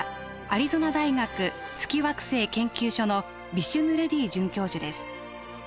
アリゾナ大学月惑星研究所のビシュヌ・レディ准教授です。